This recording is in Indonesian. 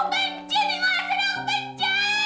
kau nggak pernah ngerti perasaan aku